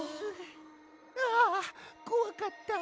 はあこわかった！